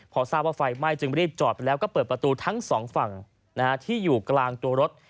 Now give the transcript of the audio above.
พอทราบว่าไฟไหม้จึงรีบจอดไปแล้วก็เปิดประตูทั้งสองฝั่งที่อยู่กลางตัวรถ